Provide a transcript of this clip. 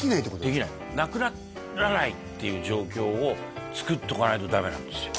できないなくならないっていう状況をつくっておかないとダメなんですよ